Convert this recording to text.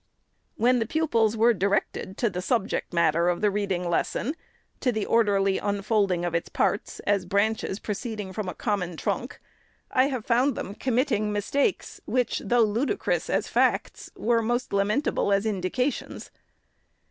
When the pupils were directed to the subject matter of the reading lesson, to the orderly un folding of its parts, as branches proceeding from a com mon trunk, I have found them committing mistakes which, though ludicrous as facts, were most lamentable as indications.